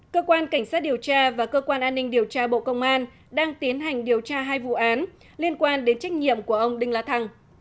cơ quan cảnh sát điều tra và cơ quan an ninh điều tra bộ công an đang tiến hành điều tra hai vụ án liên quan đến trách nhiệm của ông đinh la thăng